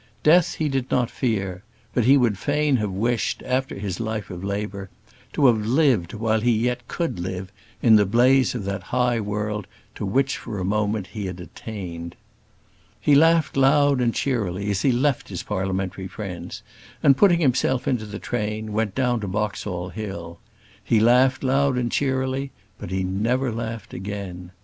Death he did not fear; but he would fain have wished, after his life of labour, to have lived, while yet he could live, in the blaze of that high world to which for a moment he had attained. He laughed loud and cheerily as he left his parliamentary friends, and, putting himself into the train, went down to Boxall Hill. He laughed loud and cheerily; but he never laughed again.